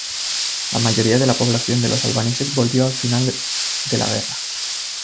La mayoría de la población de los albaneses volvió al final de la guerra.